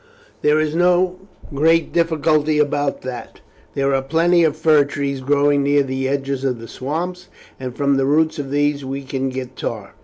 There is no great difficulty about that. There are plenty of fir trees growing near the edges of the swamps, and from the roots of these we can get tar."